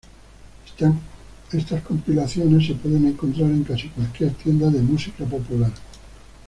Estas compilaciones se pueden encontrar en casi cualquier tienda de música popular.